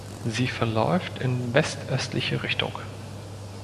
Sie verläuft in west-östliche Richtung.